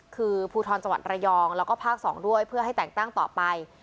คือภูทรจังหวัดระยองแล้วก็ภาค๒ด้วยเพื่อให้แต่งตั้งต่อไป